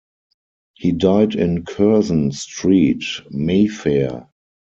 He died in Curzon Street, Mayfair.